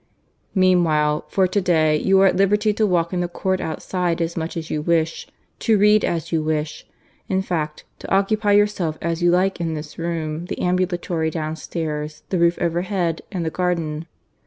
... "Meanwhile, for to day you are at liberty to walk in the court outside as much as you wish, to read as you wish in fact, to occupy yourself as you like in this room, the ambulatory downstairs, the roof overhead, and the garden.